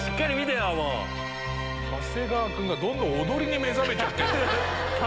長谷川君が踊りに目覚めちゃってる。